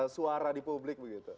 suara di publik begitu